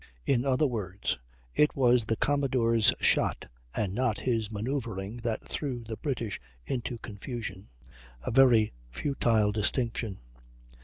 In other words, it was the commodore's shot and not his manoeuvring that threw the British into confusion a very futile distinction.